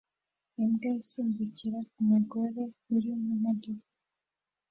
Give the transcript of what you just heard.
Imbwa isimbukira ku mugore uri mu modoka